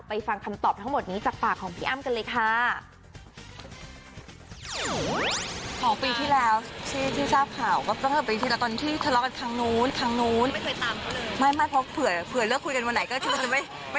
ฟังคำตอบทั้งหมดนี้จากปากของพี่อ้ำกันเลยค่ะ